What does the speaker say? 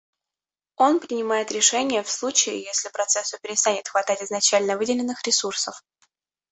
Он принимает решение в случае если процессу перестанет хватать изначально выделенных ресурсов